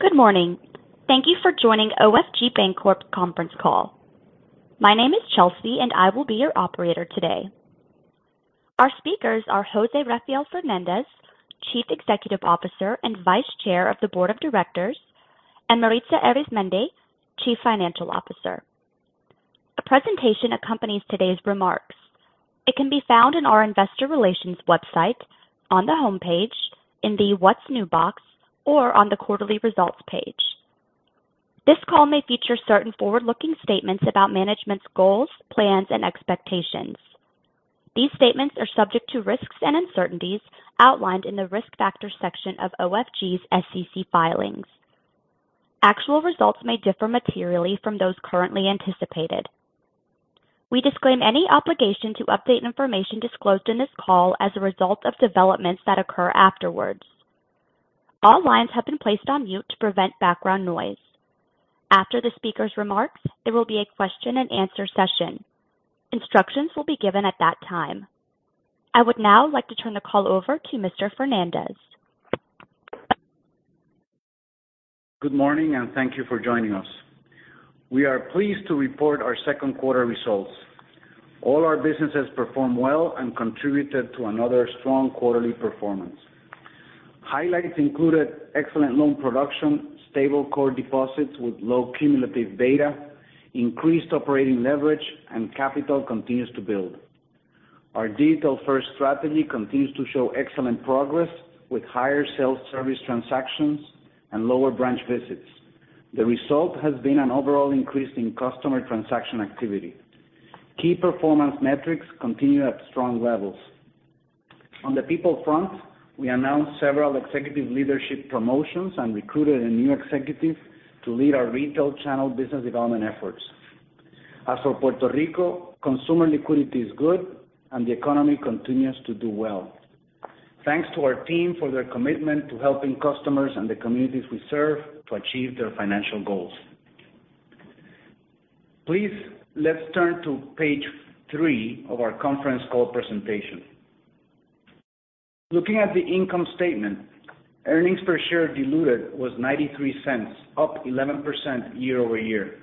Good morning. Thank you for joining OFG Bancorp conference call. My name is Chelsea, and I will be your operator today. Our speakers are José Rafael Fernández, Chief Executive Officer and Vice Chair of the Board of Directors, and Maritza Arizmendi, Chief Financial Officer. A presentation accompanies today's remarks. It can be found in our investor relations website on the homepage in the What's New box or on the quarterly results page. This call may feature certain forward-looking statements about management's goals, plans, and expectations. These statements are subject to risks and uncertainties outlined in the Risk Factors section of OFG's SEC filings. Actual results may differ materially from those currently anticipated. We disclaim any obligation to update information disclosed in this call as a result of developments that occur afterwards. All lines have been placed on mute to prevent background noise. After the speaker's remarks, there will be a question-and-answer session. Instructions will be given at that time. I would now like to turn the call over to Mr. Fernandez. Good morning, thank you for joining us. We are pleased to report our second quarter results. All our businesses performed well and contributed to another strong quarterly performance. Highlights included excellent loan production, stable core deposits with low cumulative beta, increased operating leverage, and capital continues to build. Our digital-first strategy continues to show excellent progress, with higher self-service transactions and lower branch visits. The result has been an overall increase in customer transaction activity. Key performance metrics continue at strong levels. On the people front, we announced several executive leadership promotions and recruited a new executive to lead our retail channel business development efforts. As for Puerto Rico, consumer liquidity is good and the economy continues to do well. Thanks to our team for their commitment to helping customers and the communities we serve to achieve their financial goals. Please, let's turn to page three of our conference call presentation. Looking at the income statement, earnings per share diluted was $0.93, up 11% year-over-year.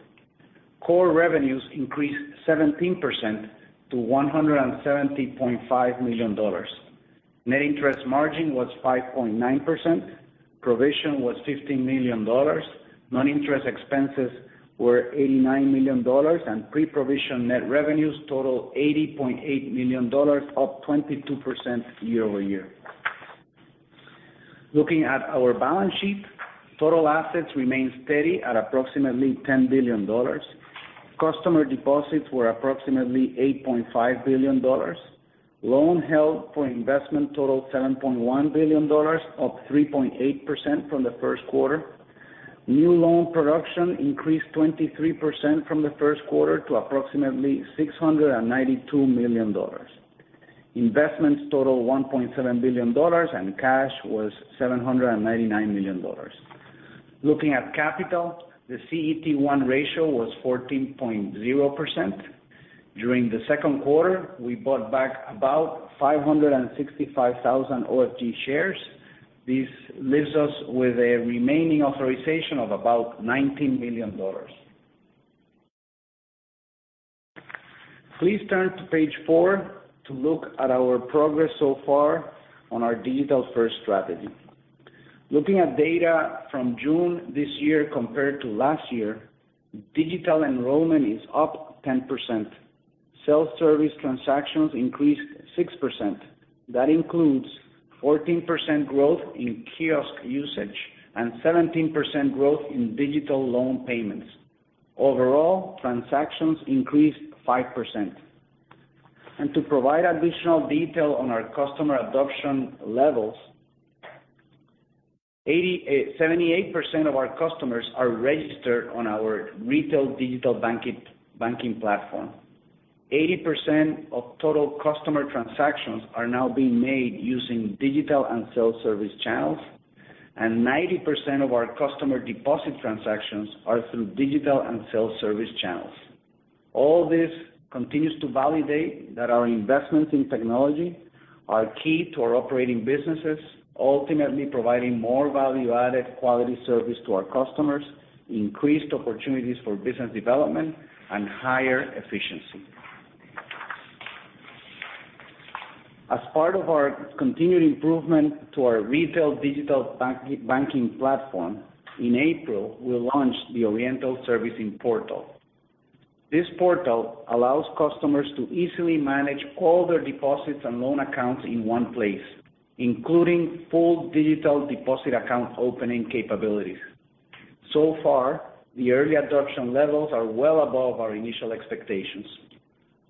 Core revenues increased 17% to $170.5 million. Net interest margin was 5.9%, provision was $15 million, non-interest expenses were $89 million, and pre-provision net revenues totaled $80.8 million, up 22% year-over-year. Looking at our balance sheet, total assets remained steady at approximately $10 billion. Customer deposits were approximately $8.5 billion. Loans held for investment totaled $7.1 billion, up 3.8% from the first quarter. New loan production increased 23% from the first quarter to approximately $692 million. Investments totaled $1.7 billion, cash was $799 million. Looking at capital, the CET1 ratio was 14.0%. During the second quarter, we bought back about 565,000 OFG shares. This leaves us with a remaining authorization of about $19 million. Please turn to page four to look at our progress so far on our digital-first strategy. Looking at data from June this year compared to last year, digital enrollment is up 10%. Self-service transactions increased 6%. That includes 14% growth in kiosk usage and 17% growth in digital loan payments. Overall, transactions increased 5%. To provide additional detail on our customer adoption levels, 78% of our customers are registered on our retail digital banking platform. 80% of total customer transactions are now being made using digital and self-service channels, and 90% of our customer deposit transactions are through digital and self-service channels. All this continues to validate that our investments in technology are key to our operating businesses, ultimately providing more value-added quality service to our customers, increased opportunities for business development, and higher efficiency. As part of our continued improvement to our retail digital banking platform, in April, we launched the Oriental Servicing Portal. This portal allows customers to easily manage all their deposits and loan accounts in one place, including full digital deposit account opening capabilities. So far, the early adoption levels are well above our initial expectations.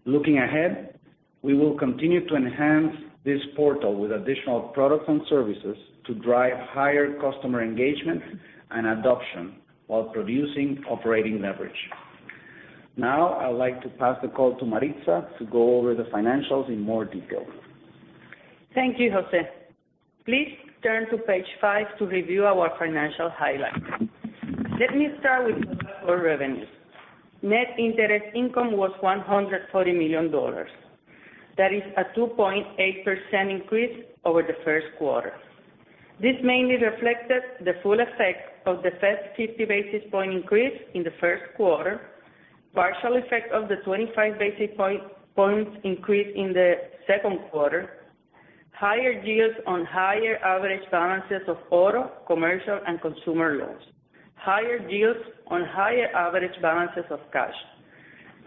Looking ahead, we will continue to enhance this portal with additional products and services to drive higher customer engagement and adoption while producing operating leverage. I would like to pass the call to Maritza to go over the financials in more detail. Thank you, Jose'. Please turn to page five to review our financial highlights. Let me start with our revenues. Net interest income was $140 million. That is a 2.8% increase over the first quarter. This mainly reflected the full effect of the Fed's 50 basis point increase in the first quarter, partial effect of the 25 basis points increase in the second quarter, higher yields on higher average balances of auto, commercial, and consumer loans. Higher yields on higher average balances of cash.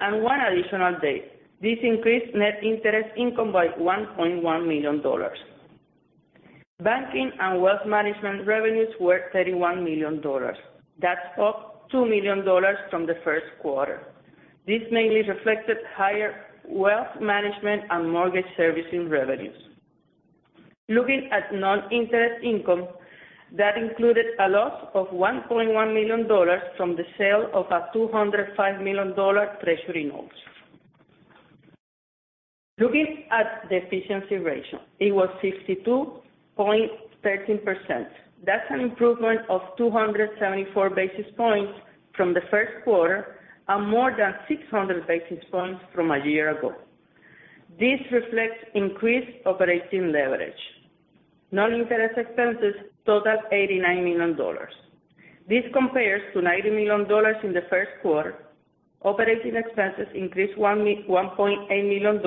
One additional day, this increased net interest income by $1.1 million. Banking and wealth management revenues were $31 million. That's up $2 million from the first quarter. This mainly reflected higher wealth management and mortgage servicing revenues. Looking at non-interest income, that included a loss of $1.1 million from the sale of a $205 million treasury notes. Looking at the efficiency ratio, it was 62.13%. That's an improvement of 274 basis points from the first quarter, and more than 600 basis points from a year ago. This reflects increased operating leverage. Non-interest expenses totaled $89 million. This compares to $90 million in the first quarter. Operating expenses increased $1.8 million.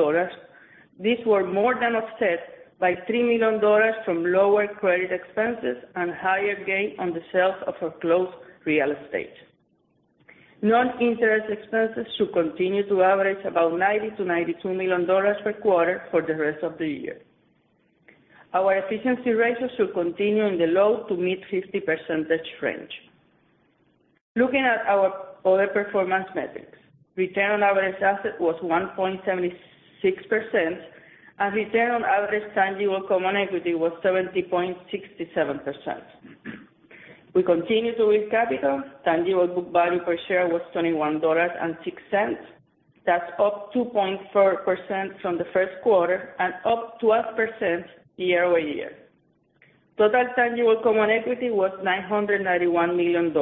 These were more than offset by $3 million from lower credit expenses and higher gain on the sales of a closed real estate. Non-interest expenses should continue to average about $90 million-$92 million per quarter for the rest of the year. Our efficiency ratio should continue in the low to mid-50% range. Looking at our other performance metrics, return on average asset was 1.76%, and return on average tangible common equity was 70.67%. We continue to raise capital. Tangible book value per share was $21.06. That's up 2.4% from the first quarter and up 12% year-over-year. Total tangible common equity was $991 million.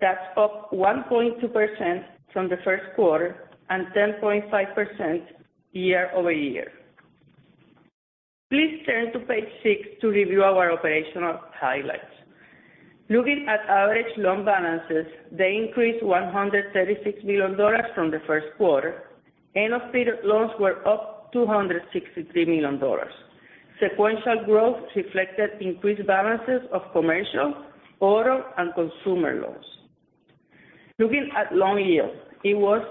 That's up 1.2% from the first quarter and 10.5% year-over-year. Please turn to page six to review our operational highlights. Looking at average loan balances, they increased $136 million from the first quarter. End-of-period loans were up $263 million. Sequential growth reflected increased balances of commercial, auto, and consumer loans. Looking at loan yield, it was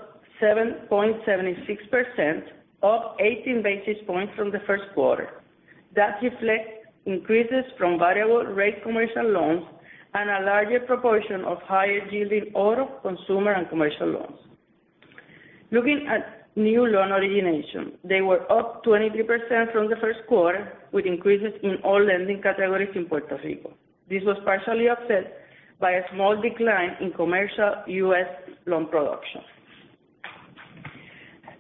7.76%, up 18 basis points from the first quarter. That reflects increases from variable rate commercial loans and a larger proportion of higher-yielding auto, consumer, and commercial loans. Looking at new loan origination, they were up 23% from the first quarter, with increases in all lending categories in Puerto Rico. This was partially offset by a small decline in commercial U.S. loan production.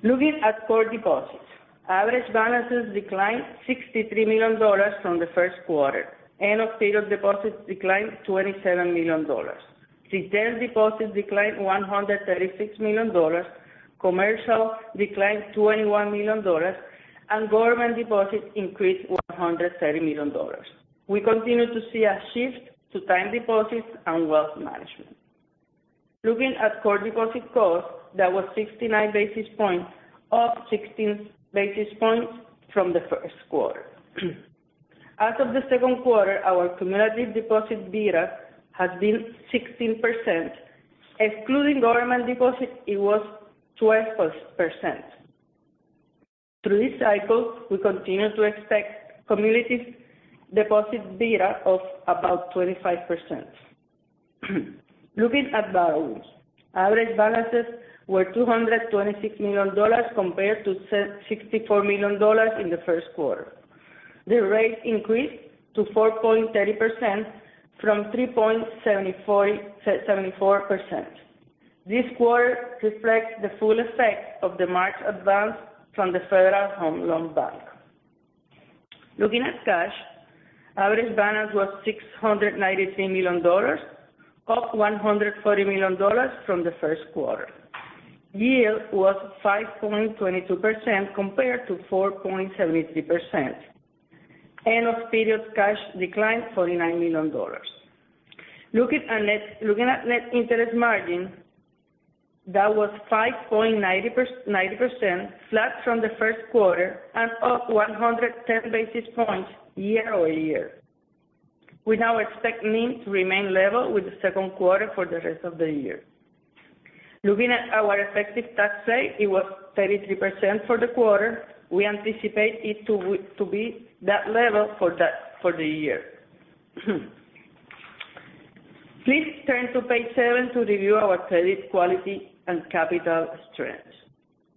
Looking at core deposits. Average balances declined $63 million from the first quarter. End of period deposits declined $27 million. Retail deposits declined $136 million, commercial declined $21 million, and government deposits increased $130 million. We continue to see a shift to time deposits and wealth management. Looking at core deposit cost, that was 69 basis points, up 16 basis points from the first quarter. As of the second quarter, our cumulative deposit beta has been 16%. Excluding government deposits, it was 12%. Through this cycle, we continue to expect cumulative deposit beta of about 25%. Looking at borrowings. Average balances were $226 million compared to $64 million in the first quarter. The rate increased to 4.30% from 3.74%. This quarter reflects the full effect of the March advance from the Federal Home Loan Bank. Looking at cash, average balance was $693 million, up $140 million from the first quarter. Yield was 5.22% compared to 4.73%. End of period, cash declined $49 million. Looking at net interest margin, that was 5.90%, flat from the first quarter and up 110 basis points year-over-year. We now expect NIM to remain level with the second quarter for the rest of the year. Looking at our effective tax rate, it was 33% for the quarter. We anticipate it to be that level for the year. Please turn to page seven to review our credit quality and capital strength.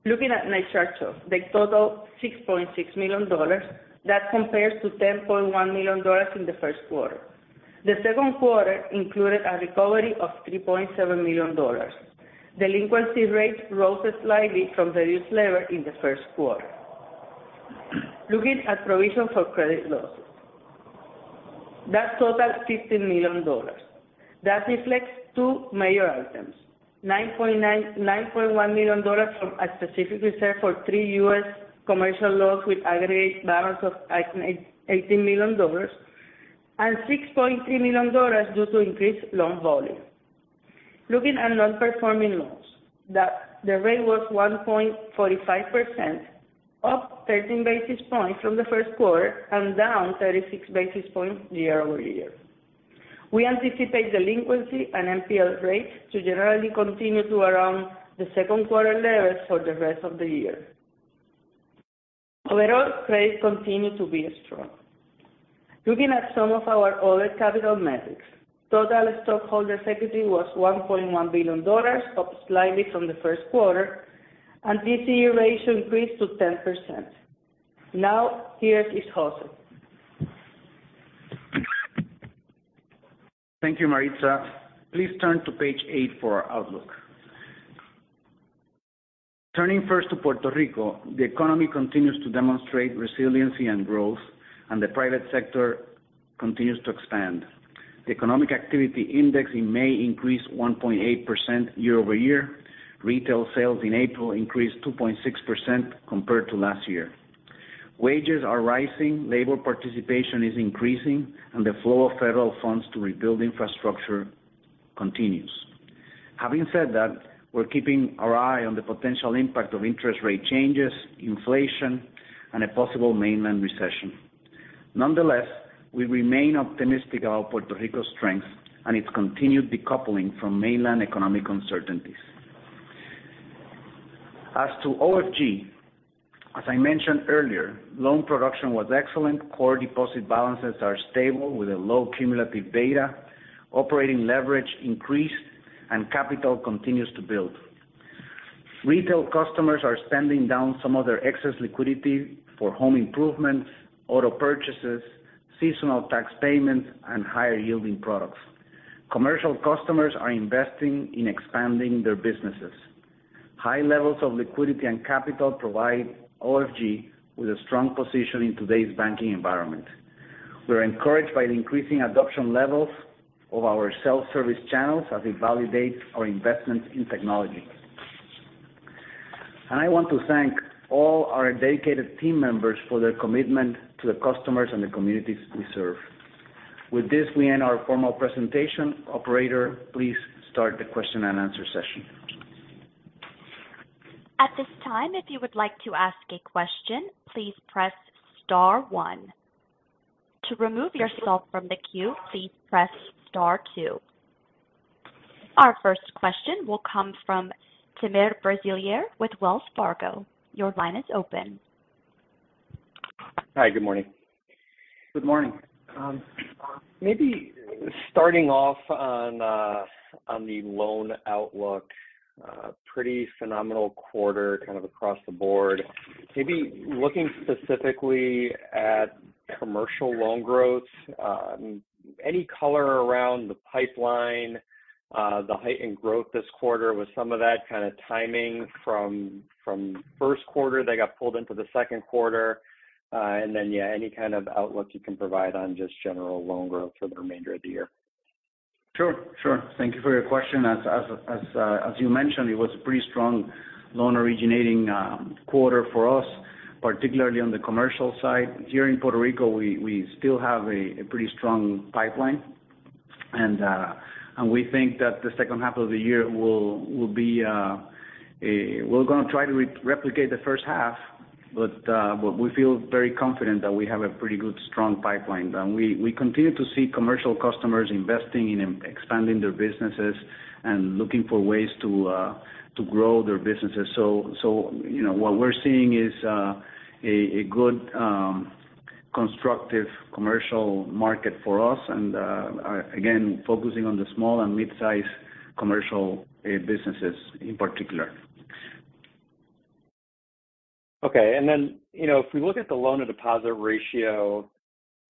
Looking at net charge-offs, they total $6.6 million. That compares to $10.1 million in the first quarter. The second quarter included a recovery of $3.7 million. Delinquency rates rose slightly from the year's level in the first quarter. Looking at provision for credit losses. That's total $15 million. That reflects two major items: $9.1 million from a specific reserve for three U.S. commercial loans with aggregate balance of $18 million, and $6.3 million due to increased loan volume. Looking at non-performing loans, the rate was 1.45%, up 13 basis points from the first quarter and down 36 basis points year-over-year. We anticipate delinquency and NPL rates to generally continue to around the second quarter levels for the rest of the year. Overall, trades continue to be strong. Looking at some of our other capital metrics, total stockholder equity was $1.1 billion, up slightly from the first quarter, and TCE ratio increased to 10%. Here is José. Thank you, Maritza. Please turn to page eight for our outlook. Turning first to Puerto Rico, the economy continues to demonstrate resiliency and growth, and the private sector continues to expand. The economic activity index in May increased 1.8% year-over-year. Retail sales in April increased 2.6% compared to last year. Wages are rising, labor participation is increasing, and the flow of federal funds to rebuild infrastructure continues. Having said that, we're keeping our eye on the potential impact of interest rate changes, inflation, and a possible mainland recession. Nonetheless, we remain optimistic about Puerto Rico's strength and its continued decoupling from mainland economic uncertainties. As to OFG, as I mentioned earlier, loan production was excellent. Core deposit balances are stable with a low cumulative beta, operating leverage increased, and capital continues to build. Retail customers are spending down some of their excess liquidity for home improvements, auto purchases, seasonal tax payments, and higher-yielding products. Commercial customers are investing in expanding their businesses. High levels of liquidity and capital provide OFG with a strong position in today's banking environment. We're encouraged by the increasing adoption levels of our self-service channels as it validates our investments in technology. I want to thank all our dedicated team members for their commitment to the customers and the communities we serve. With this, we end our formal presentation. Operator, please start the question-and-answer session. At this time, if you would like to ask a question, please press star one. To remove yourself from the queue, please press star two. Our first question will come from Timur Braziler with Wells Fargo. Your line is open. Hi, good morning. Good morning. Maybe starting off on the loan outlook, pretty phenomenal quarter, kind of across the board. Maybe looking specifically at commercial loan growth, any color around the pipeline, the heightened growth this quarter with some of that kind of timing from first quarter that got pulled into the second quarter, and then, yeah, any kind of outlook you can provide on just general loan growth for the remainder of the year? Sure. Thank you for your question. As you mentioned, it was a pretty strong loan originating quarter for us, particularly on the commercial side. Here in Puerto Rico, we still have a pretty strong pipeline, and we think that the second half of the year will be. We're gonna try to replicate the first half. We feel very confident that we have a pretty good, strong pipeline. We continue to see commercial customers investing in and expanding their businesses and looking for ways to grow their businesses. You know, what we're seeing is a good constructive commercial market for us, and again, focusing on the small and mid-sized commercial businesses in particular. Okay. Then, you know, if we look at the loan-to-deposit ratio,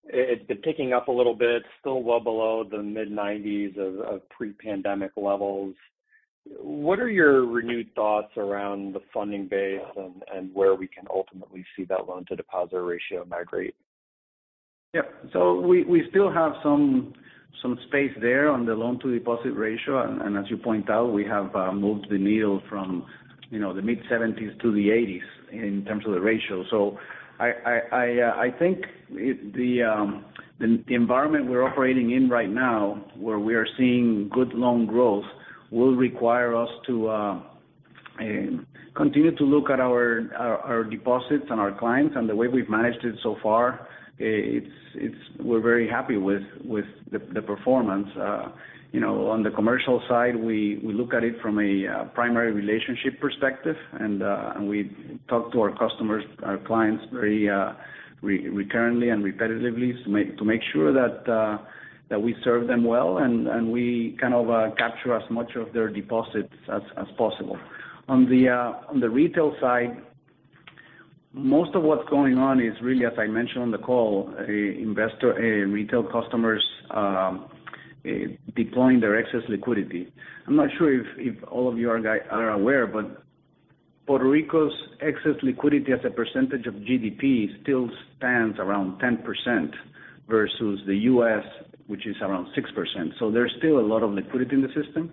it's been ticking up a little bit, still well below the mid-nineties of pre-pandemic levels. What are your renewed thoughts around the funding base and where we can ultimately see that loan-to-deposit ratio migrate? Yeah. We still have some space there on the loan-to-deposit ratio. As you point out, we have moved the needle from, you know, the mid-seventies to the eighties in terms of the ratio. I think the environment we're operating in right now, where we are seeing good loan growth, will require us to continue to look at our deposits and our clients. The way we've managed it so far, it's we're very happy with the performance. You know, on the commercial side, we look at it from a primary relationship perspective, and we talk to our customers, our clients, very recurrently and repetitively to make sure that we serve them well, and we kind of capture as much of their deposits as possible. On the retail side, most of what's going on is really, as I mentioned on the call, investor, retail customers, deploying their excess liquidity. I'm not sure if all of you are aware, but Puerto Rico's excess liquidity as a percentage of GDP still stands around 10% versus the U.S., which is around 6%. There's still a lot of liquidity in the system,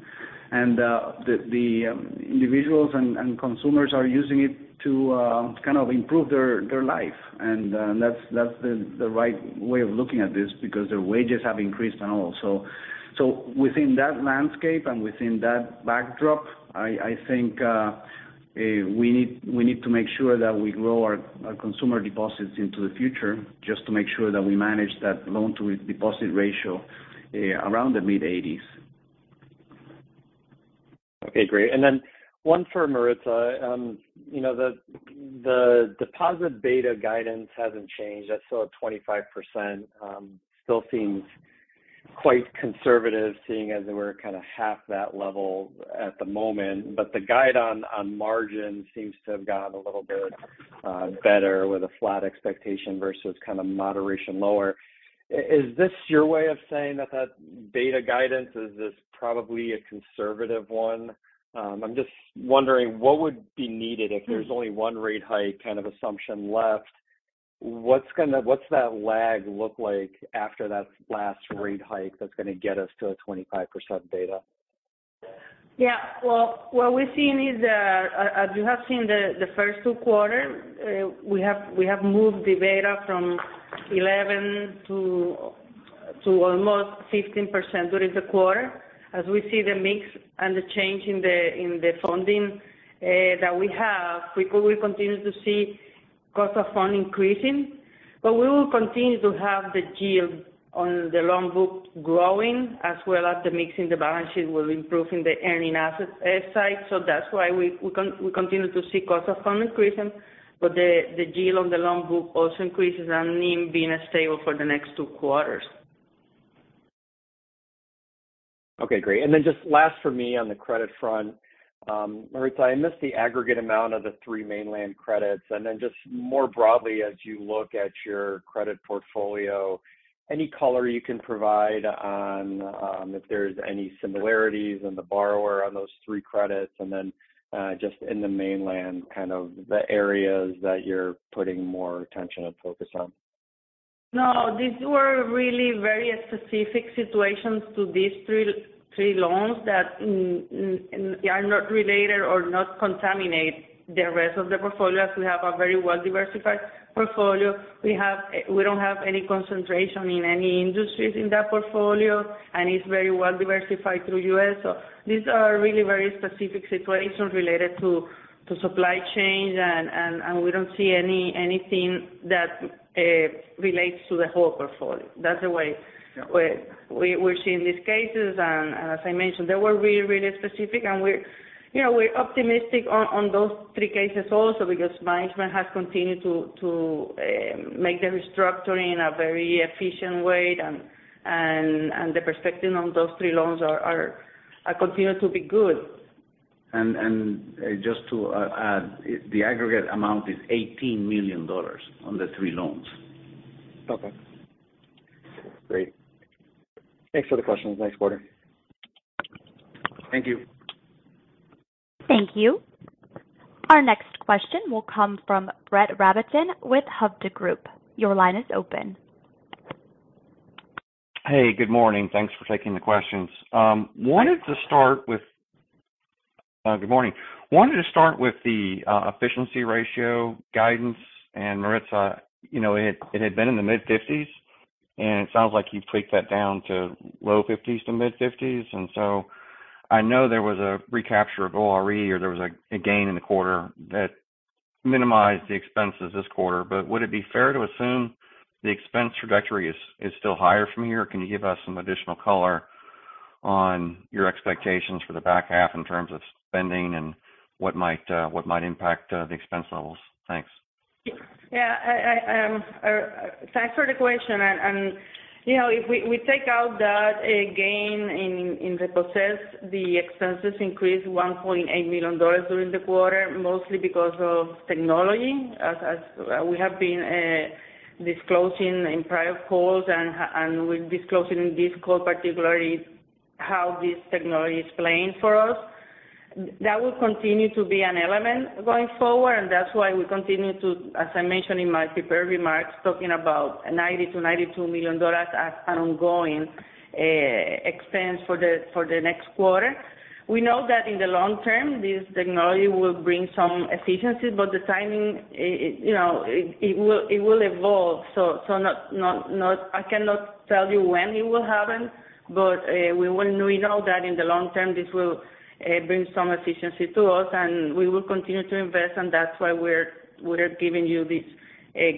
and the individuals and consumers are using it to kind of improve their life. That's the right way of looking at this because their wages have increased and all. Within that landscape and within that backdrop, I think we need to make sure that we grow our consumer deposits into the future just to make sure that we manage that loan to deposit ratio around the mid-eighties. Okay, great. Then one for Maritza. you know, the deposit beta guidance hasn't changed. That's still at 25%, still seems quite conservative, seeing as we're kind of half that level at the moment. The guide on margin seems to have gotten a little bit better with a flat expectation versus kind of moderation lower. Is this your way of saying that that beta guidance, is this probably a conservative one? I'm just wondering what would be needed if there's only one rate hike kind of assumption left, what's that lag look like after that last rate hike that's gonna get us to a 25% beta? Yeah, well, what we've seen is, as you have seen the first two quarter, we have moved the beta from 11 to almost 15% during the quarter. As we see the mix and the change in the funding that we have, we will continue to see cost of fund increasing. We will continue to have the yield on the loan book growing, as well as the mix in the balance sheet will improve in the earning asset side. That's why we continue to see cost of fund increasing, but the yield on the loan book also increases and NIM being stable for the next two quarters. Okay, great. Just last for me on the credit front. Maritza, I missed the aggregate amount of the three mainland credits, and then just more broadly, as you look at your credit portfolio, any color you can provide on, if there's any similarities in the borrower on those three credits, and then, just in the mainland, kind of the areas that you're putting more attention and focus on? No, these were really very specific situations to these three loans that are not related or not contaminate the rest of the portfolio, as we have a very well-diversified portfolio. We don't have any concentration in any industries in that portfolio, and it's very well-diversified through U.S. These are really very specific situations related to supply chains, and we don't see anything that relates to the whole portfolio. That's the way. Yeah We're seeing these cases, and as I mentioned, they were really, really specific. We're, you know, we're optimistic on those three cases also because management has continued to make the restructuring in a very efficient way, and the perspective on those three loans are continue to be good. Just to add, the aggregate amount is $18 million on the three loans. Okay. Great. Thanks for the questions. Thanks, Porter. Thank you. Thank you. Our next question will come from Brett Rabatin with Hovde Group. Your line is open. Hey, good morning. Thanks for taking the questions. Wanted to start with the efficiency ratio guidance. Maritza, you know, it had been in the mid-fifties, and it sounds like you've tweaked that down to low fifties to mid-fifties. I know there was a recapture of ORE, or there was a gain in the quarter that minimized the expenses this quarter. Would it be fair to assume the expense trajectory is still higher from here? Can you give us some additional color on your expectations for the back half in terms of spending and what might impact the expense levels? Thanks. Yeah, I, thanks for the question. You know, if we take out that gain in the process, the expenses increased $1.8 million during the quarter, mostly because of technology, as we have been disclosing in prior calls and we're disclosing in this call, particularly how this technology is playing for us. That will continue to be an element going forward, and that's why we continue to, as I mentioned in my prepared remarks, talking about $90 million-$92 million as an ongoing expense for the next quarter. We know that in the long term, this technology will bring some efficiencies, but the timing, you know, it will evolve. I cannot tell you when it will happen, but we will know that in the long term, this will bring some efficiency to us, and we will continue to invest, and that's why we're giving you this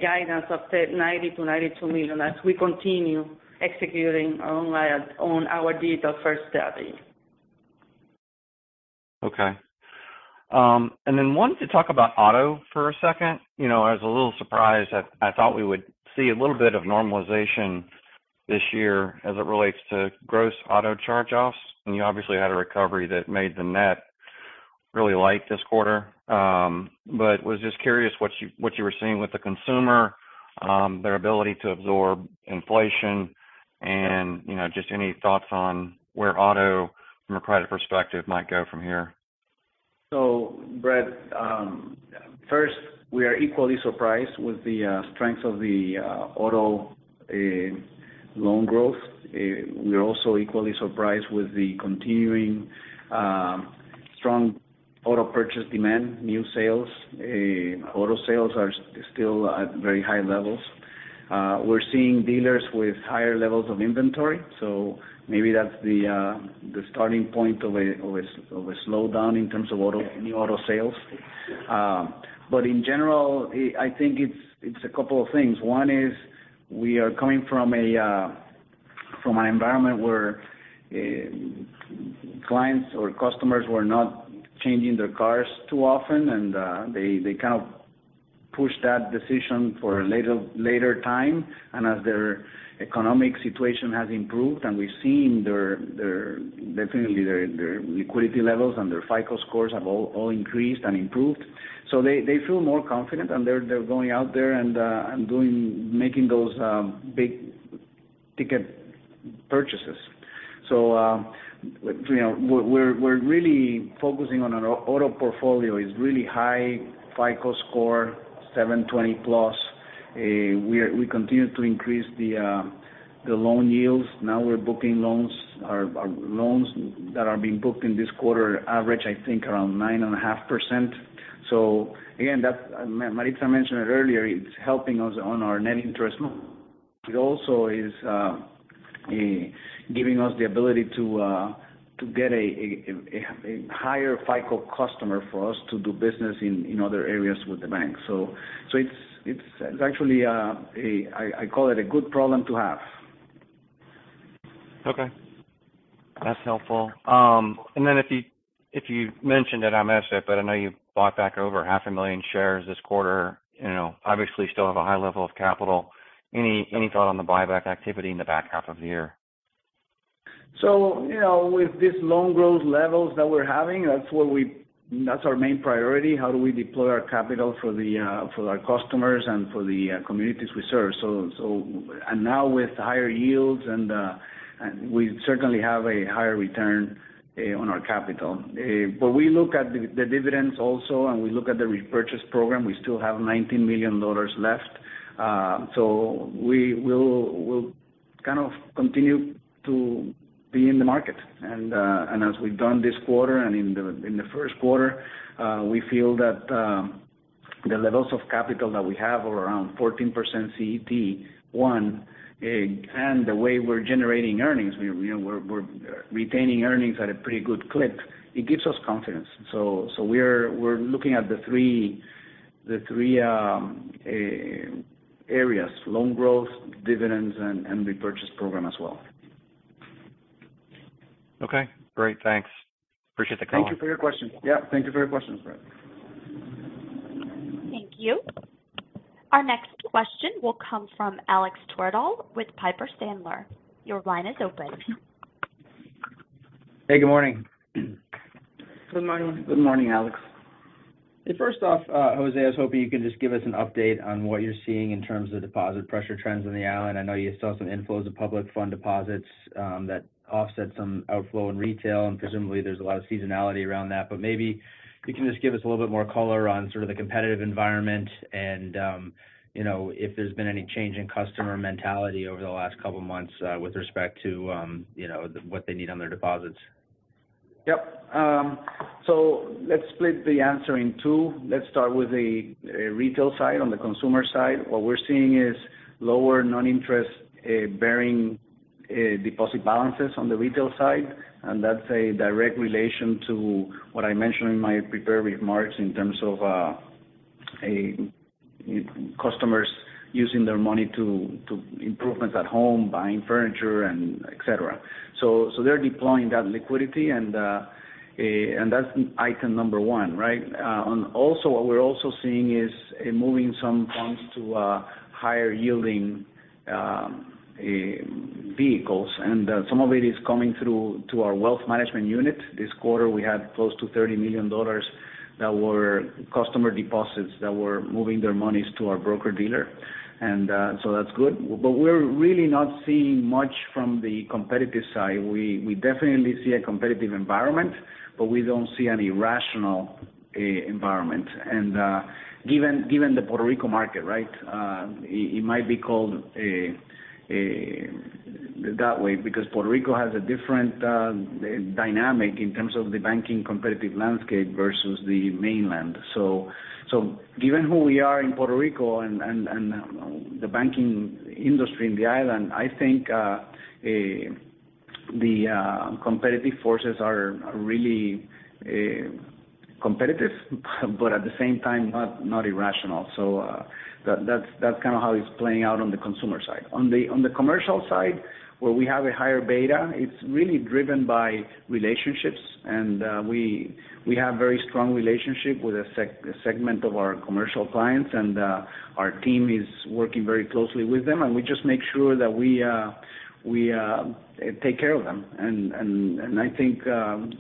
guidance of the $90 million-$92 million as we continue executing on our digital first strategy. Okay. Wanted to talk about auto for a second. You know, I was a little surprised. I thought we would see a little bit of normalization this year as it relates to gross auto charge-offs, and you obviously had a recovery that made the net really light this quarter. Was just curious what you were seeing with the consumer. Their ability to absorb inflation, and, you know, just any thoughts on where auto from a credit perspective might go from here? Brad, first, we are equally surprised with the strength of the auto loan growth. We're also equally surprised with the continuing strong auto purchase demand, new sales. Auto sales are still at very high levels. We're seeing dealers with higher levels of inventory, so maybe that's the starting point of a slowdown in terms of new auto sales. In general, I think it's a couple of things. One is we are coming from an environment where clients or customers were not changing their cars too often, and they kind of pushed that decision for a later time. As their economic situation has improved, and we've seen their, definitely their liquidity levels and their FICO scores have all increased and improved. They feel more confident, and they're going out there and making those big-ticket purchases. You know, we're really focusing on our auto portfolio is really high FICO score, 720+. We continue to increase the loan yields. Now we're booking loans, or loans that are being booked in this quarter average, I think, around 9.5%. Again, Maritza mentioned it earlier, it's helping us on our net interest move. It also is giving us the ability to get a higher FICO customer for us to do business in other areas with the bank. It's actually I call it a good problem to have. Okay. That's helpful. Then if you, if you mentioned it, I missed it, but I know you bought back over half a million shares this quarter. You know, obviously still have a high level of capital. Any, any thought on the buyback activity in the back half of the year? You know, with these loan growth levels that we're having, that's our main priority. How do we deploy our capital for our customers and for the communities we serve? Now with higher yields and we certainly have a higher return on our capital. We look at the dividends also, and we look at the repurchase program. We still have $19 million left. We'll kind of continue to be in the market. As we've done this quarter and in the first quarter, we feel that the levels of capital that we have are around 14% CET1. The way we're generating earnings, you know, we're retaining earnings at a pretty good clip. It gives us confidence. We're looking at the three areas: loan growth, dividends, and repurchase program as well. Okay, great. Thanks. Appreciate the call. Thank you for your question. Yeah, thank you for your question, Brad. Thank you. Our next question will come from Alex Twerdahl with Piper Sandler. Your line is open. Hey, good morning. Good morning. Good morning, Alex. First off, Jose', I was hoping you could just give us an update on what you're seeing in terms of deposit pressure trends on the island. I know you saw some inflows of public fund deposits, that offset some outflow in retail, and presumably there's a lot of seasonality around that. Maybe you can just give us a little bit more color on sort of the competitive environment and, you know, if there's been any change in customer mentality over the last couple of months, with respect to, you know, what they need on their deposits. Yep. Let's split the answer in two. Let's start with the retail side. On the consumer side, what we're seeing is lower non-interest bearing deposit balances on the retail side, and that's a direct relation to what I mentioned in my prepared remarks in terms of customers using their money to improvements at home, buying furniture and et cetera. They're deploying that liquidity, and that's item number one, right? Also, what we're also seeing is moving some funds to higher-yielding vehicles, and some of it is coming through to our wealth management unit. This quarter, we had close to $30 million that were customer deposits that were moving their monies to our broker-dealer, that's good. We're really not seeing much from the competitive side. We definitely see a competitive environment, but we don't see any rational environment. Given the Puerto Rico market, right, it might be called that way, because Puerto Rico has a different dynamic in terms of the banking competitive landscape versus the mainland. Given who we are in Puerto Rico and the banking industry in the island, I think the competitive forces are really competitive, but at the same time, not irrational. That's kind of how it's playing out on the consumer side. On the, on the commercial side, where we have a higher beta, it's really driven by relationships, we have very strong relationship with a segment of our commercial clients, our team is working very closely with them, and we just make sure that we take care of them. I think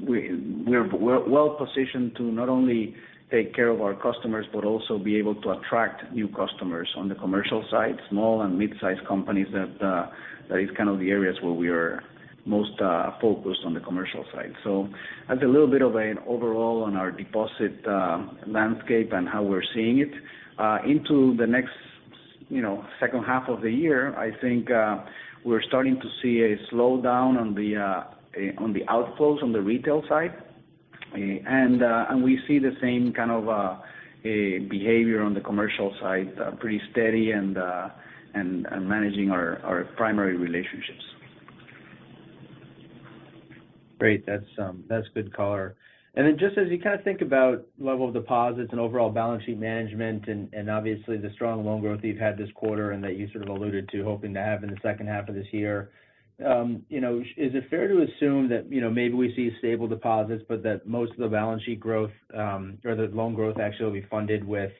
we're well-positioned to not only take care of our customers, but also be able to attract new customers on the commercial side, small and mid-sized companies, that is kind of the areas where we are most focused on the commercial side. That's a little bit of an overall on our deposit landscape and how we're seeing it. Into the next, you know, second half of the year, I think, we're starting to see a slowdown on the outflows on the retail side. We see the same kind of behavior on the commercial side, pretty steady and managing our primary relationships. Great. That's good color. Just as you kind of think about level of deposits and overall balance sheet management and obviously the strong loan growth you've had this quarter and that you sort of alluded to hoping to have in the second half of this year, you know, is it fair to assume that, you know, maybe we see stable deposits, but that most of the balance sheet growth, or the loan growth actually will be funded with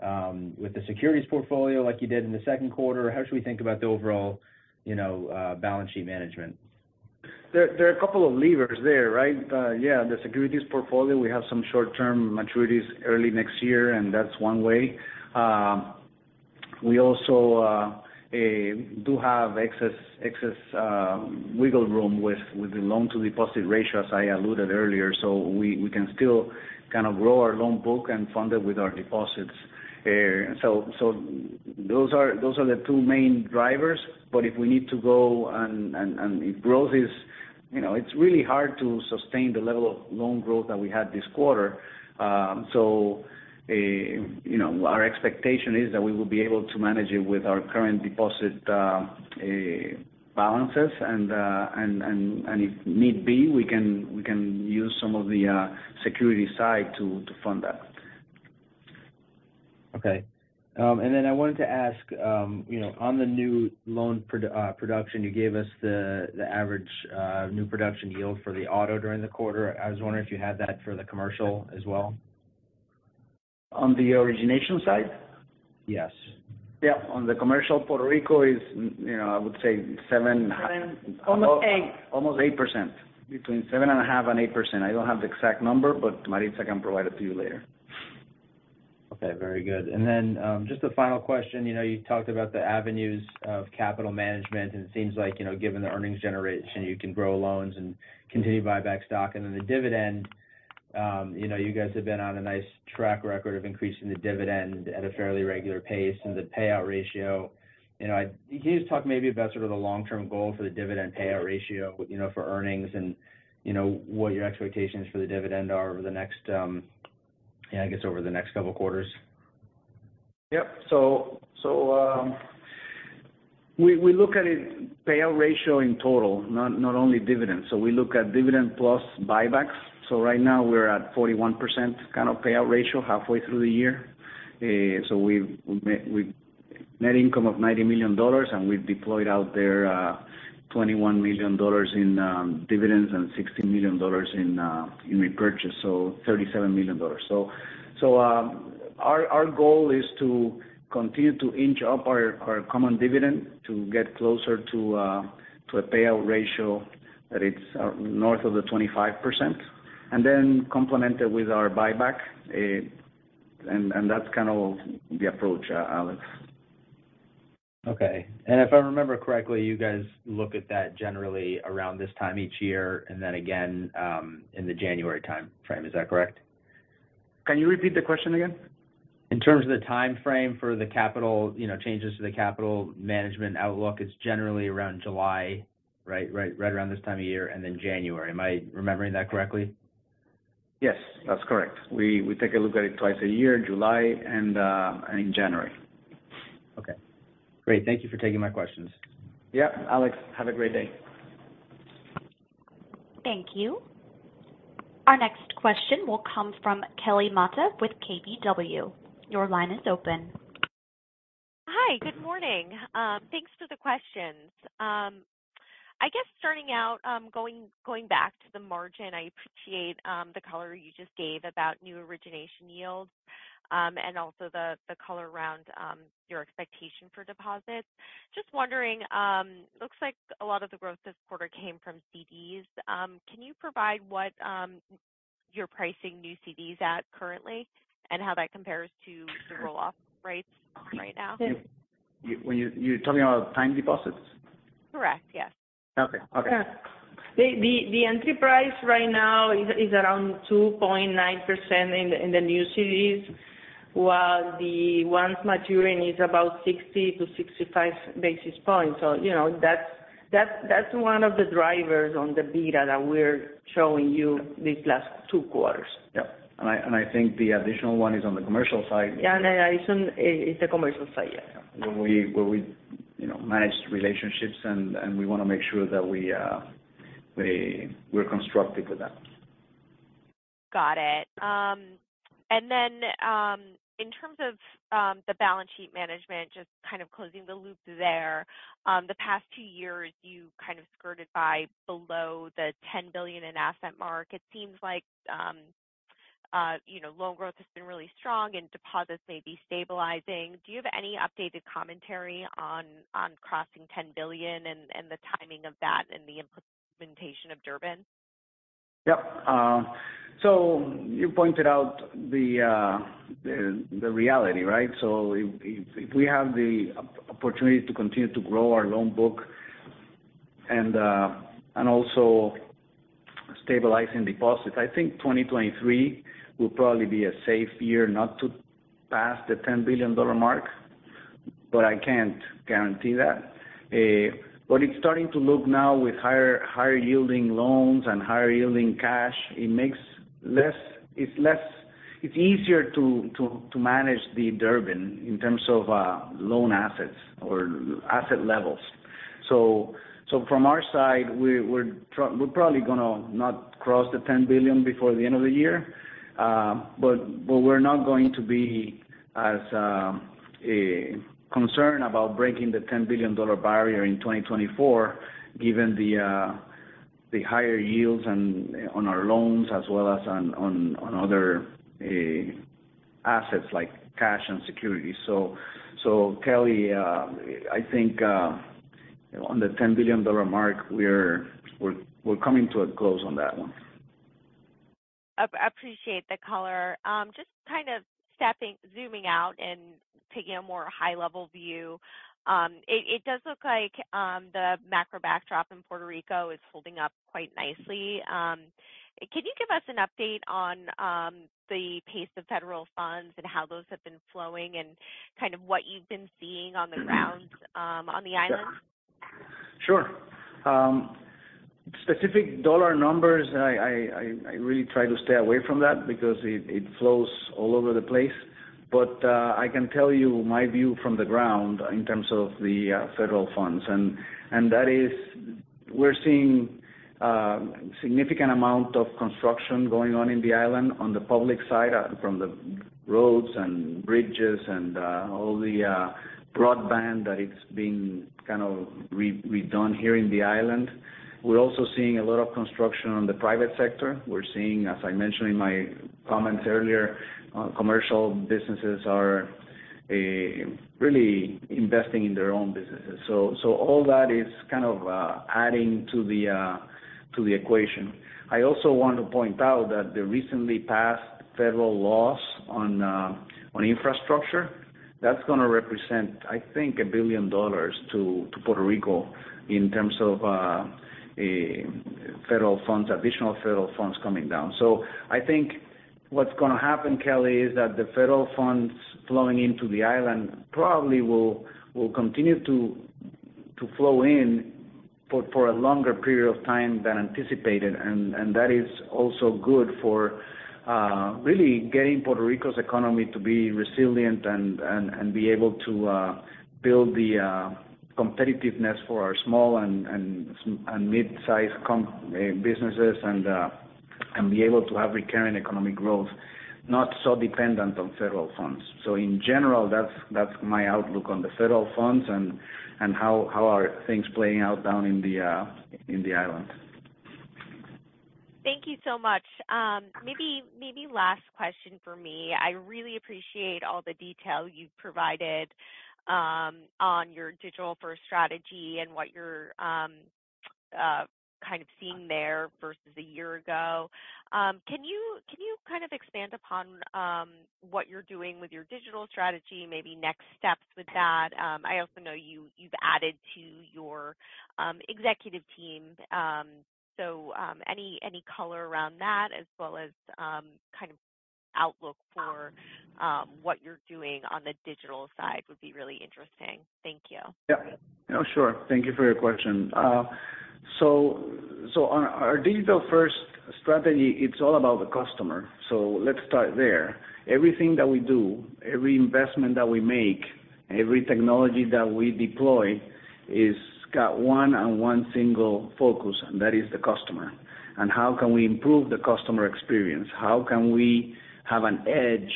the securities portfolio like you did in the second quarter? Or how should we think about the overall, you know, balance sheet management? There are a couple of levers there, right? Yeah, the securities portfolio, we have some short-term maturities early next year, that's one way. We also do have excess wiggle room with the loan to deposit ratio, as I alluded earlier. We can still kind of grow our loan book and fund it with our deposits, so those are the two main drivers. If we need to go and it grows, it's, you know, it's really hard to sustain the level of loan growth that we had this quarter. You know, our expectation is that we will be able to manage it with our current deposit balances and if need be, we can use some of the security side to fund that. Okay. I wanted to ask, you know, on the new loan production, you gave us the average new production yield for the auto during the quarter. I was wondering if you had that for the commercial as well? On the origination side? Yes. Yeah. On the commercial, Puerto Rico is, you know, I would say seven-. Almost 8. Almost 8%. Between 7.5% and 8%. I don't have the exact number, but Maritza can provide it to you later. Okay, very good. Then, just a final question. You know, you talked about the avenues of capital management, and it seems like, you know, given the earnings generation, you can grow loans and continue to buy back stock. Then the dividend, you know, you guys have been on a nice track record of increasing the dividend at a fairly regular pace and the payout ratio. You know, can you just talk maybe about sort of the long-term goal for the dividend payout ratio, you know, for earnings and, you know, what your expectations for the dividend are over the next, yeah, I guess, over the next couple of quarters? Yep. We look at it payout ratio in total, not only dividends. We look at dividend plus buybacks. Right now we're at 41% kind of payout ratio halfway through the year. We've net income of $90 million, and we've deployed out there, $21 million in dividends and $16 million in repurchase, so $37 million. Our goal is to continue to inch up our common dividend to get closer to a payout ratio that it's north of the 25% and then complement it with our buyback. And that's kind of the approach, Alex. Okay. If I remember correctly, you guys look at that generally around this time each year and then again, in the January timeframe. Is that correct? Can you repeat the question again? In terms of the timeframe for the capital, you know, changes to the capital management outlook, it's generally around July, right? Right around this time of year, and then January. Am I remembering that correctly? Yes, that's correct. We take a look at it twice a year, in July and in January. Okay, great. Thank you for taking my questions. Yeah. Alex, have a great day. Thank you. Our next question will come from Kelly Motta with KBW. Your line is open. Hi, good morning. Thanks for the questions. I guess starting out, going back to the margin, I appreciate the color you just gave about new origination yields, and also the color around your expectation for deposits. Just wondering, looks like a lot of the growth this quarter came from CDs. Can you provide what you're pricing new CDs at currently and how that compares to the roll-off rates right now? You, when you're talking about time deposits? Correct. Yes. Okay. Okay. Yeah. The entry price right now is around 2.9% in the, in the new CDs, while the ones maturing is about 60-65 basis points. You know, that's one of the drivers on the beta that we're showing you these last two quarters. Yeah. I, and I think the additional one is on the commercial side. Yeah, it's on, it's the commercial side. Yeah. Where we, you know, manage relationships, and we want to make sure that we're constructive with that. Got it. Then, in terms of the balance sheet management, just kind of closing the loop there. The past two years, you kind of skirted by below the $10 billion in asset mark. It seems like, you know, loan growth has been really strong, and deposits may be stabilizing. Do you have any updated commentary on crossing $10 billion and the timing of that and the implementation of Durbin? Yep. You pointed out the reality, right? If we have the opportunity to continue to grow our loan book and also stabilizing deposits, I think 2023 will probably be a safe year not to pass the $10 billion mark, but I can't guarantee that. It's starting to look now with higher yielding loans and higher yielding cash, it's easier to manage the Durbin in terms of loan assets or asset levels. From our side, we're probably gonna not cross the $10 billion before the end of the year. we're not going to be as concerned about breaking the $10 billion barrier in 2024, given the higher yields and on our loans, as well as on other assets like cash and securities. Kelly, I think, on the $10 billion mark, we're coming to a close on that one. I appreciate the color. Just kind of stepping, zooming out and taking a more high-level view, it does look like the macro backdrop in Puerto Rico is holding up quite nicely. Can you give us an update on the pace of federal funds and how those have been flowing and kind of what you've been seeing on the ground on the island? Sure. Specific dollar numbers, I really try to stay away from that because it flows all over the place. I can tell you my view from the ground in terms of the federal funds, and that is, we're seeing significant amount of construction going on in the island on the public side, from the roads and bridges and all the broadband, that it's being kind of redone here in the island. We're also seeing a lot of construction on the private sector. We're seeing, as I mentioned in my comments earlier, commercial businesses are really investing in their own businesses. All that is kind of adding to the equation. I also want to point out that the recently passed federal laws on infrastructure, that's gonna represent, I think, $1 billion to Puerto Rico in terms of federal funds, additional federal funds coming down. I think what's gonna happen, Kelly, is that the federal funds flowing into the island probably will continue to flow in for a longer period of time than anticipated. That is also good for really getting Puerto Rico's economy to be resilient and be able to build the competitiveness for our small and mid-sized businesses, and be able to have recurring economic growth, not so dependent on federal funds. In general, that's my outlook on the federal funds and how are things playing out down in the island. Thank you so much. maybe last question for me. I really appreciate all the detail you've provided on your digital first strategy and what you're kind of seeing there versus a year ago. can you kind of expand upon what you're doing with your digital strategy, maybe next steps with that? I also know you've added to your executive team. Any color around that, as well as kind of outlook for what you're doing on the digital side would be really interesting. Thank you. Yeah. Oh, sure. Thank you for your question. So on our digital first strategy, it's all about the customer. Let's start there. Everything that we do, every investment that we make, every technology that we deploy, is got one and one single focus, and that is the customer. How can we improve the customer experience? How can we have an edge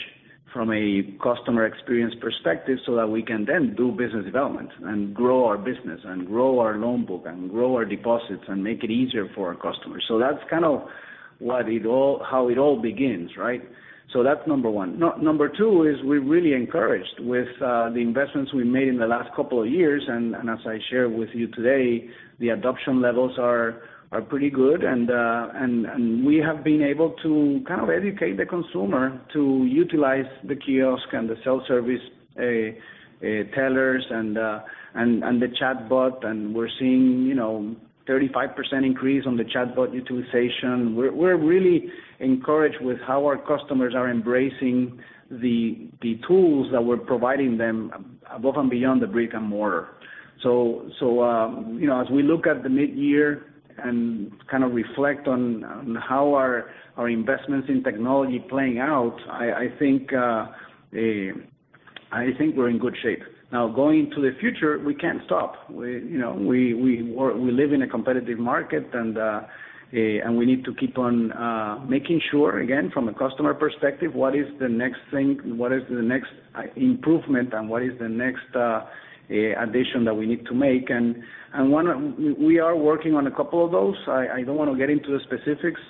from a customer experience perspective so that we can then do business development and grow our business, and grow our loan book, and grow our deposits, and make it easier for our customers? That's kind of how it all begins, right? That's number one. Number two is we're really encouraged with the investments we made in the last couple of years, and as I shared with you today, the adoption levels are pretty good, and we have been able to kind of educate the consumer to utilize the kiosk and the self-service tellers and the chatbot, and we're seeing, you know, 35% increase on the chatbot utilization. We're really encouraged with how our customers are embracing the tools that we're providing them above and beyond the brick-and-mortar. You know, as we look at the midyear and kind of reflect on how our investments in technology playing out, I think we're in good shape. Now, going into the future, we can't stop. We, you know, we live in a competitive market, and we need to keep on making sure, again, from a customer perspective, what is the next thing? What is the next improvement, and what is the next addition that we need to make? One of... We are working on a couple of those. I don't want to get into the specifics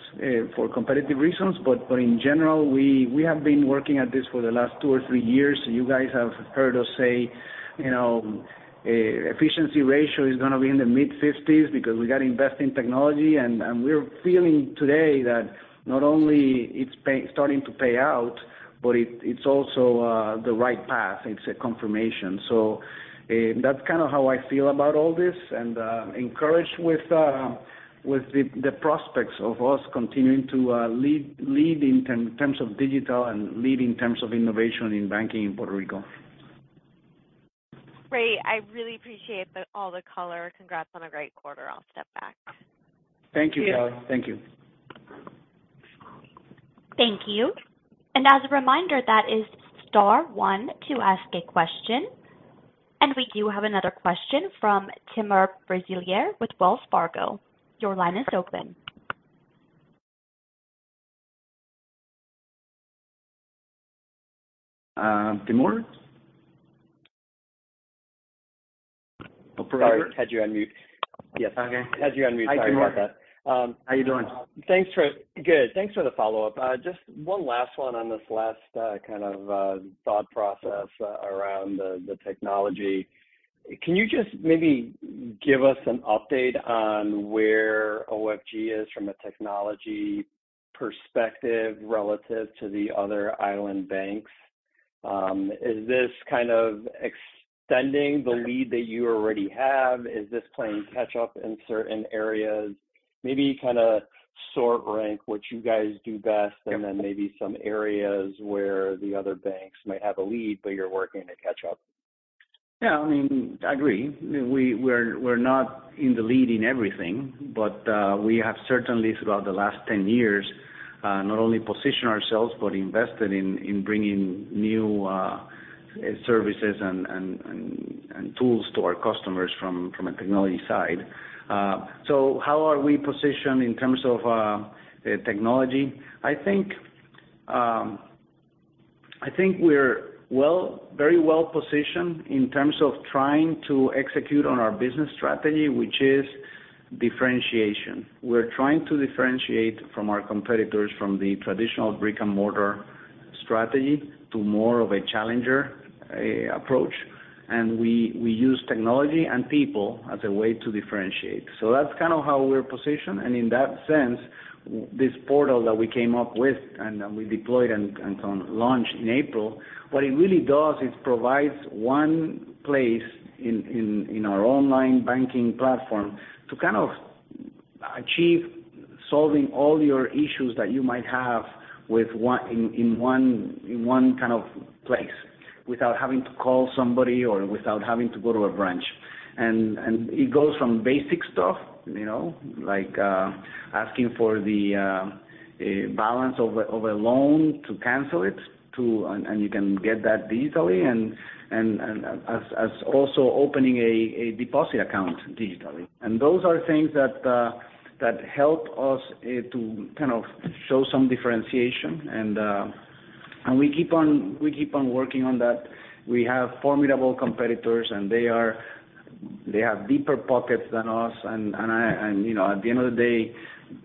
for competitive reasons, but in general, we have been working at this for the last two or three years. You guys have heard us say, you know-... efficiency ratio is gonna be in the mid-50s because we got to invest in technology, and we're feeling today that not only it's starting to pay out, but it's also the right path. It's a confirmation. That's kind of how I feel about all this, and encouraged with the prospects of us continuing to lead in terms of digital and lead in terms of innovation in banking in Puerto Rico. Great. I really appreciate the, all the color. Congrats on a great quarter. I'll step back. Thank you, Kelly. Thank you. Thank you. As a reminder, that is star 1 to ask a question. We do have another question from Timur Braziler with Wells Fargo. Your line is open. Timur? Sorry, had you on mute. Yes. Okay. Had you on mute. Sorry about that. Hi, Timur. How you doing? Thanks for the follow-up. Just one last one on this last kind of thought process around the technology, can you just maybe give us an update on where OFG is from a technology perspective relative to the other island banks? Is this kind of extending the lead that you already have? Is this playing catch up in certain areas? Maybe kind of sort, rank what you guys do best, and then maybe some areas where the other banks might have a lead, but you're working to catch up. I mean, I agree. We're not in the lead in everything. We have certainly, throughout the last 10 years, not only positioned ourselves but invested in bringing new services and tools to our customers from a technology side. How are we positioned in terms of technology? I think we're very well positioned in terms of trying to execute on our business strategy, which is differentiation. We're trying to differentiate from our competitors, from the traditional brick-and-mortar strategy to more of a challenger approach. We use technology and people as a way to differentiate. That's kind of how we're positioned. In that sense, this Portal that we came up with, and then we deployed and launched in April, what it really does is provides one place in our online banking platform to kind of achieve solving all your issues that you might have in one kind of place, without having to call somebody or without having to go to a branch. It goes from basic stuff, you know, like asking for the balance of a loan to cancel it. You can get that digitally and as also opening a deposit account digitally. Those are things that help us to kind of show some differentiation. We keep on working on that. We have formidable competitors, and they have deeper pockets than us. You know, at the end of the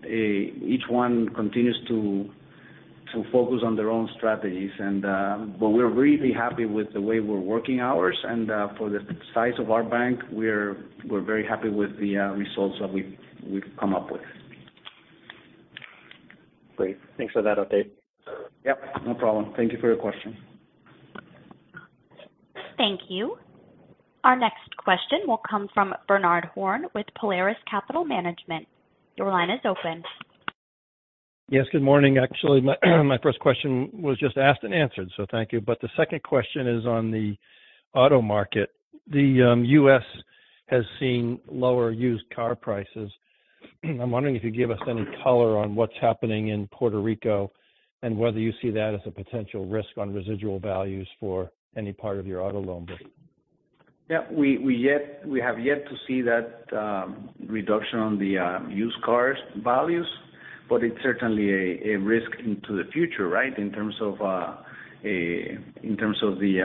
day, each one continues to focus on their own strategies. We're really happy with the way we're working ours. For the size of our bank, we're very happy with the results that we've come up with. Great. Thanks for that update. Yep, no problem. Thank you for your question. Thank you. Our next question will come from Bernard Horn with Polaris Capital Management. Your line is open. Yes, good morning. Actually, my first question was just asked and answered, so thank you. The second question is on the auto market. The U.S. has seen lower used car prices. I'm wondering if you give us any color on what's happening in Puerto Rico and whether you see that as a potential risk on residual values for any part of your auto loan book. Yeah, we have yet to see that reduction on the used cars values, but it's certainly a risk into the future, right? In terms of in terms of the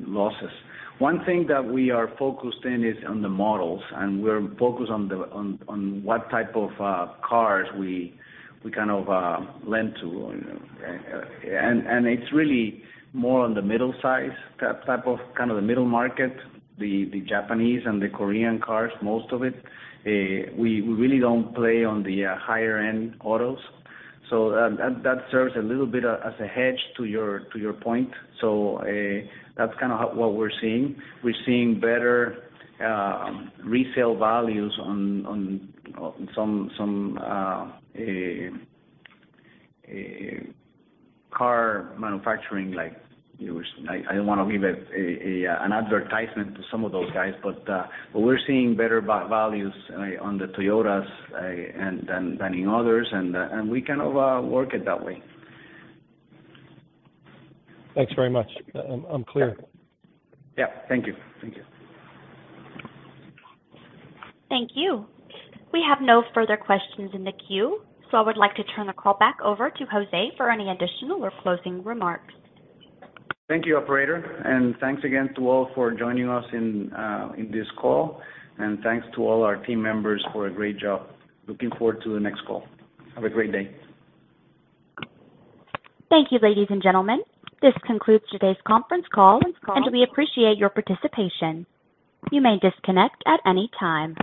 losses. One thing that we are focused in is on the models, and we're focused on what type of cars we kind of lend to. It's really more on the middle size type of, kind of, the middle market, the Japanese and the Korean cars, most of it. We really don't play on the higher-end autos, so that serves a little bit as a hedge, to your point. That's kind of what we're seeing. We're seeing better resale values on some car manufacturing like... I don't want to give it an advertisement to some of those guys, but we're seeing better values on the Toyotas, and than in others, and we kind of work it that way. Thanks very much. I'm clear. Yeah. Thank you. Thank you. Thank you. We have no further questions in the queue. I would like to turn the call back over to Jose' for any additional or closing remarks. Thank you, operator, and thanks again to all for joining us in this call. Thanks to all our team members for a great job. Looking forward to the next call. Have a great day. Thank you, ladies and gentlemen. This concludes today's conference call, and we appreciate your participation. You may disconnect at any time.